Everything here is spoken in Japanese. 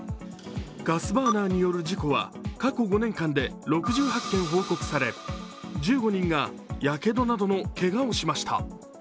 ガスバーナーによる事故は過去５年間で６８件報告され１５人がやけどなどのけがをしました。